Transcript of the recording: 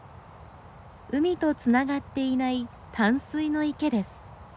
海とつながっていない淡水の池です。